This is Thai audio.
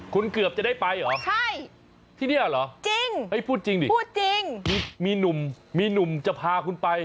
คุณเกือบจะได้ไปเหรอที่นี่เหรอพูดจริงดิมีหนุ่มจะพาคุณไป